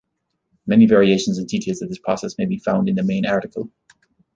Many variations and details of this process may be found in the main article.